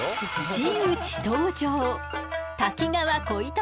真打ち登場！